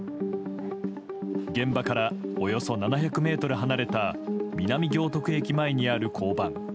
現場からおよそ７００ｍ離れた南行徳駅前にある交番。